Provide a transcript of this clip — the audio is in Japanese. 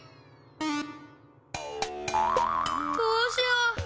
どうしよう。